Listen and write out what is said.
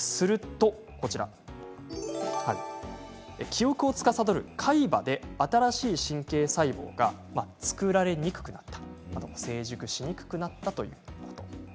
記憶をつかさどる海馬で新しい神経細胞が作られにくくなった成熟しにくくなったということなんです。